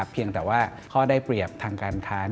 เพียงแต่ว่าข้อได้เปรียบทางการค้า